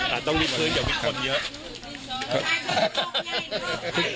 อ่าต้องวิดพื้นเดี๋ยววิดคนเยอะ